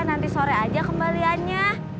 nanti sore aja kembaliannya